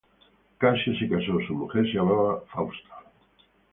Casio se casó, su mujer se llamaba Fausta.